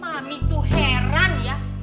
mami tuh heran ya